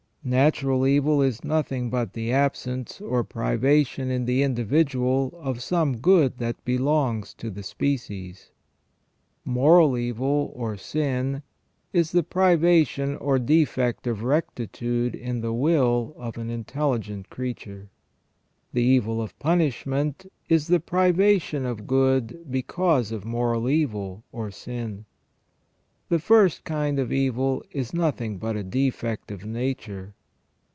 Natural evil is nothing but the absence or privation in the individual of some good that belongs to the species. Moral evil, or sin, is the privation or defect of rectitude in the will of an intelligent creature. The evil of punishment is the privation of good because of moral evil, or sin. The first kind of evil is nothing but a defect of nature.